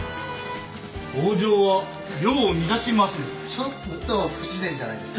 北条は世を乱しまする。